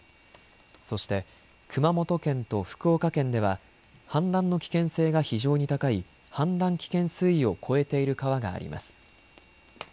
そして熊本県と福岡県では氾濫の危険性が非常に高い氾濫危険水位を超えている川があります。